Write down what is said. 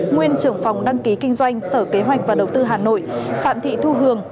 nguyên trưởng phòng đăng ký kinh doanh sở kế hoạch và đầu tư hà nội phạm thị thu hường